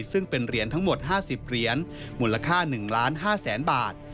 ซึ่งเป็นเหรียญทั้งหมดห้าสิบเหรียญมูลค่าหนึ่งล้านห้าแสนบาท